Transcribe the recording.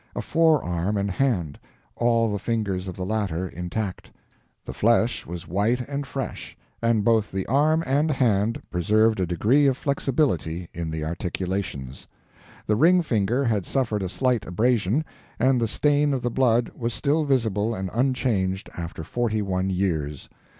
A forearm and hand, all the fingers of the latter intact. The flesh was white and fresh, and both the arm and hand preserved a degree of flexibility in the articulations. The ring finger had suffered a slight abrasion, and the stain of the blood was still visible and unchanged after forty one years.